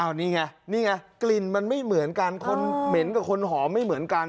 นี่ไงนี่ไงกลิ่นมันไม่เหมือนกันคนเหม็นกับคนหอมไม่เหมือนกัน